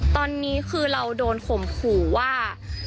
ตอนนี้คือเราโดนข่มขู่ว่า